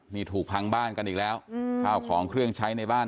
นี่ถูกพังบ้านกันอีกแล้วข้าวของเครื่องใช้ในบ้าน